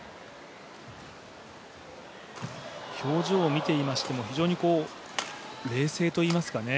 表情を見ていましても非常に冷静といいますかね。